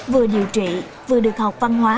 vừa điều trị vừa được học văn hóa